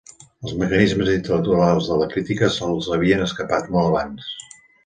Els mecanismes intel·lectuals de la crítica se'ls havien escapat molt abans.